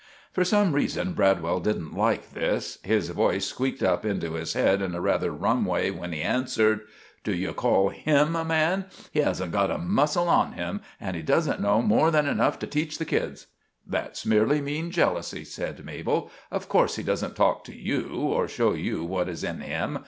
For some reason Bradwell didn't like this. His voice squeaked up into his head in a rather rum way when he answered: "D'you call him a man? He hasn't got a muscle on him; and he doesn't know more than enough to teach the kids." "That's merely mean jellousy," said Mabel. "Of course, he doesn't talk to you, or show you what is in him.